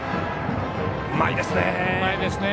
うまいですね。